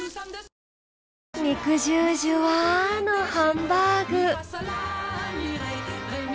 肉汁ジュワのハンバーグ。